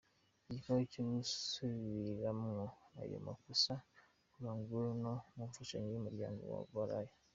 Igikorwa co gusubiramwo ayo masoko caranguwe ku mfashanyo y'umuryango wa Bulaya.